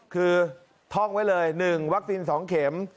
คือท่องไว้เลย๑วัคซีน๒เข็ม